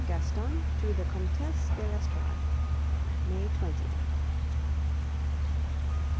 GASTON TO THE COMTESSE DE L'ESTORADE May 20th.